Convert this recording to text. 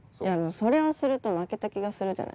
それをすると負けた気がするじゃないですか。